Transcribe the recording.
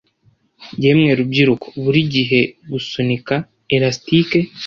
Yemwe rubyiruko! burigihe- gusunika elastique!